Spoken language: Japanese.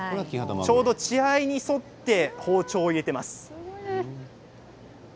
ちょうど血合いに沿って包丁を入れています。